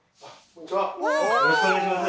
よろしくお願いします。